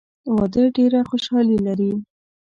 واده ډېره خوشحالي لري.